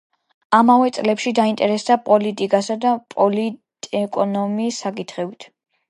ამავე წლებში დაინტერესდა პოლიტიკისა და პოლიტეკონომიის საკითხებით.